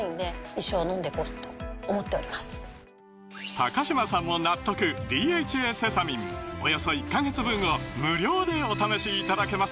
高嶋さんも納得「ＤＨＡセサミン」およそ１カ月分を無料でお試しいただけます